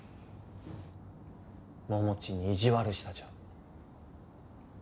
桃地に意地悪したじゃん。